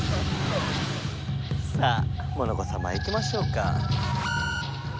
さあモノコさまいきましょうか。